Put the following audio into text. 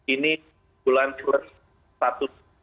ini bulan plus satu